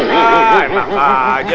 nah enak aja